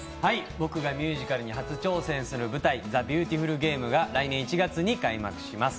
僕がミュージカルに初挑戦する「ザ・ビューティフル・ゲーム」が来年１月に開幕します。